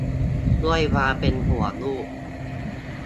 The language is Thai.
ด้วยความเป็นห่วงลูก